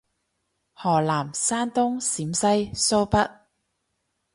河南山東陝西蘇北